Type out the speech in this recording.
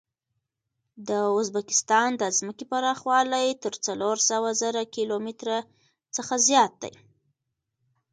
د ازبکستان د ځمکې پراخوالی تر څلور سوه زره کیلو متره څخه زیات دی.